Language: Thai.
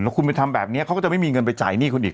แล้วคุณไปทำแบบนี้เขาก็จะไม่มีเงินไปจ่ายหนี้คุณอีก